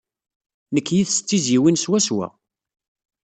Nekk yid-s d tizzyiwin swaswa.